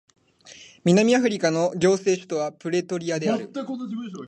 南アフリカの行政首都はプレトリアである